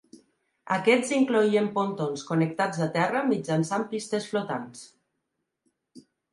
Aquests incloïen pontons connectats a terra mitjançant pistes flotants.